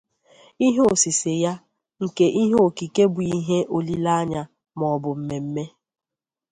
Ihe osise ya nke ihe okike bu ihe olile anya ma obu mmemme.